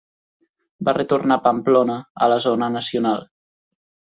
Va retornar a Pamplona, a la zona nacional.